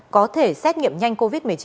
có thể xét nghiệm nhanh covid một mươi chín